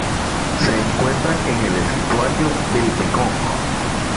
Se encuentran en el estuario del Mekong.